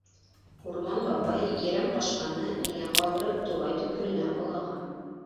Урман бабай, Ерәнҡашҡаны миңә ҡалдырып, туғай төпкөлөнә олаға.